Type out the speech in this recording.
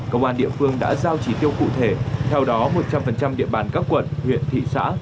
công an địa phương đã giao chỉ tiêu cụ thể theo đó một trăm linh địa bàn các quận huyện thị xã